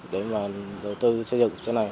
để mà đầu tư xây dựng